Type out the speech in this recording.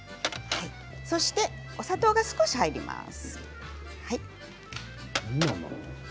そしてお砂糖が少し入ります。